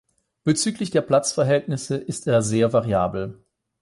Bezüglich der Platzverhältnisse ist er sehr variabel.